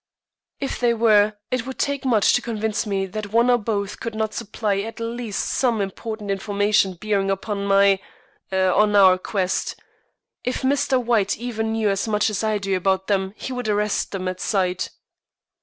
"If they were, it would take much to convince me that one or both could not supply at least some important information bearing on my on our quest. If Mr. White even knew as much as I do about them he would arrest them at sight."